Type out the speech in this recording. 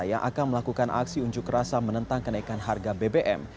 yang akan melakukan aksi unjuk rasa menentang kenaikan harga bbm